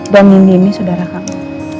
dan nindi ini saudara kamu